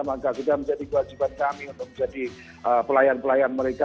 maka kita menjadi kewajiban kami untuk menjadi pelayan pelayan mereka